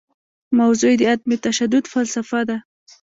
موضوع یې د عدم تشدد فلسفه ده.